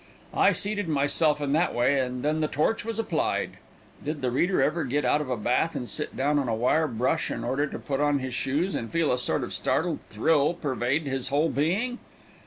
I seated myself in that way, and then the torch was applied. Did the reader ever get out of a bath and sit down on a wire brush in order to put on his shoes, and feel a sort of startled thrill pervade his whole being?